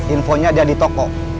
infonya dia di toko